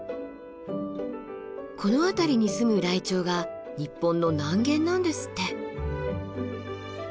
この辺りに住むライチョウが日本の南限なんですって。